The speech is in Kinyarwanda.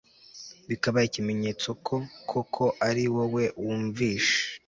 bikaba ikimenyetso ko koko ari wowe wamwishe